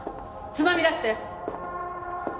つまみ出して！